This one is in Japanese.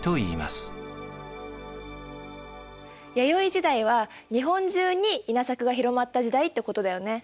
弥生時代は日本中に稲作が広まった時代ってことだよね。